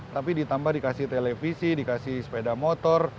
tapi ditambah dikasih televisi dikasih sepeda motor